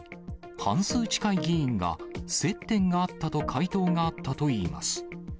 半数近い議員が接点があったと回答があったといいます。